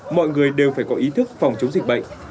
mọi người đều phải có ý thức phòng chống dịch bệnh